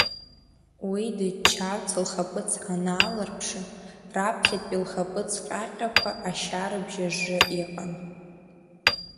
Уи дыччарц лхаԥыц анаалырԥшы, раԥхьатәи лхаԥыц ҟьаҟьақәа ашьа рыбжьажжы иҟан.